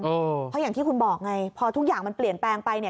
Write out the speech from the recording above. เพราะอย่างที่คุณบอกไงพอทุกอย่างมันเปลี่ยนแปลงไปเนี่ย